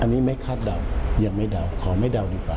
ได้ไหมคะว่าแผลก็จะเกิดขึ้นก่อนที่เบลจะไปบ้าน